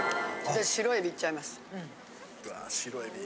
白海老いっちゃいます。